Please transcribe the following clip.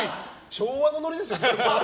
昭和のノリですよ。